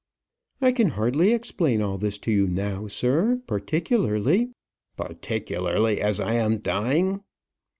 "I can hardly explain all this to you now, sir; particularly " "Particularly as I am dying.